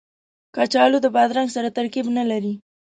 کچالو د بادرنګ سره ترکیب نه لري